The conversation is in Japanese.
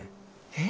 え？